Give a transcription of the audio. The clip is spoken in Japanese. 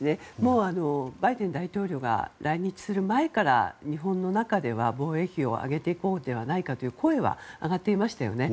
バイデン大統領が来日する前から日本の中では防衛費を上げていこうではないかという声は上がっていましたよね。